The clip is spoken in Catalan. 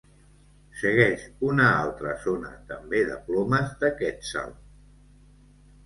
Segueix una altra zona també de plomes de quetzal.